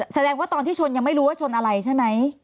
แสดงว่าตอนที่ชนยังไม่รู้ว่าชนอะไรใช่ไหม